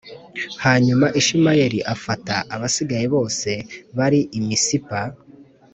Hanyuma ishimayeli afata abasigaye bose bari i misipa